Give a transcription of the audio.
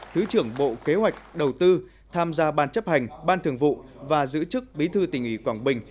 thứ trưởng bộ kế hoạch đầu tư tham gia ban chấp hành ban thường vụ và giữ chức bí thư tỉnh ủy quảng bình